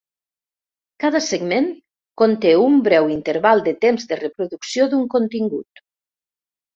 Cada segment conté un breu interval de temps de reproducció d'un contingut.